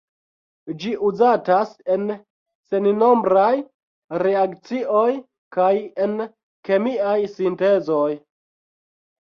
Ĝi uzatas en sennombraj reakcioj kaj en kemiaj sintezoj.